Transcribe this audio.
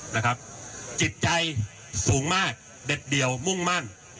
นะครับจิตใจสูงมากเด็ดเดี่ยวมุ่งมั่น